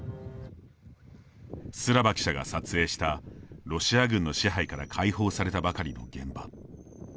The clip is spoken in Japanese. スラバ記者が撮影したロシア軍の支配から解放されたばかりの現場。